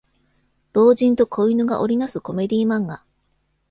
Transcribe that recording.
老人と子犬が織りなすコメディ漫画